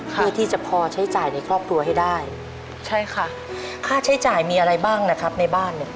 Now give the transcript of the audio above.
เพื่อที่จะพอใช้จ่ายในครอบครัวให้ได้